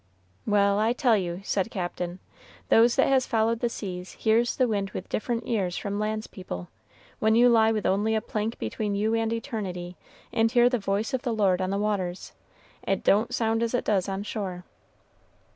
"Well, I tell you," said Captain, "those that has followed the seas hears the wind with different ears from lands people. When you lie with only a plank between you and eternity, and hear the voice of the Lord on the waters, it don't sound as it does on shore."